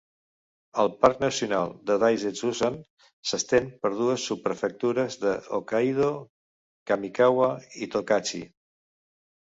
El Parc Nacional de Daisetsuzan s'estén per dues subprefectures de Hokkaido, Kamikawa i Tokachi.